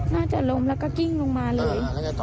น่าจะล้มแล้วก็กิ้งลงมาเลย